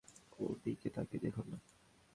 ওর দিকে তাকিয়ে দেখুন না।